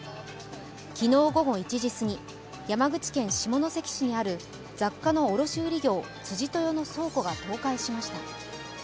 昨日午後１時すぎ、山口県下関市にある雑貨の卸売業、辻豊の倉庫が倒壊しました。